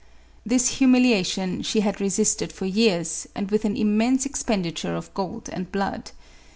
This humiliation she had resisted for years, and with an immense expenditure of gold and blood.